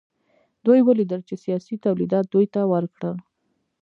دوی ولیدل چې سیالۍ تولیدات دوی ته ورکړل